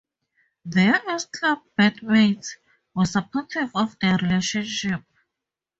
Their S Club bandmates were supportive of the relationship.